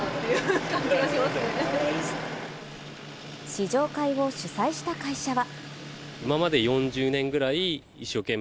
試乗会を主催した会社は。